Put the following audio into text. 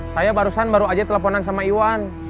saya barusan baru aja teleponan sama iwan